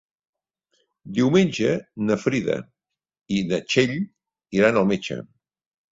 Diumenge na Frida i na Txell iran al metge.